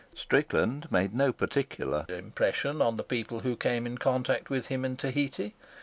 Strickland made no particular impression on the people who came in contact with him in Tahiti.